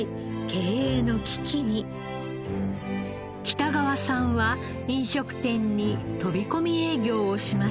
北川さんは飲食店に飛び込み営業をしました。